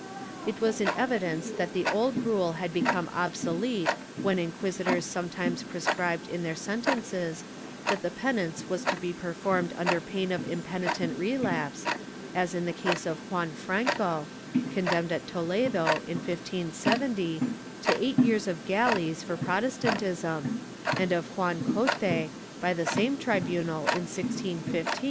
^ It was an evidence that the old rule had become obsolete when inquisitors sometimes prescribed in their sentences that the penance was to be performed under pain of impenitent relapse, as in the case of Juan Franco, condemned at Toledo, in 1570, to eight years of galleys for Protestantism, and of Juan Cote, by the same tribunal, in 1615, to irremissible perpetual prison for the * MS.